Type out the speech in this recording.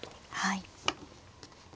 はい。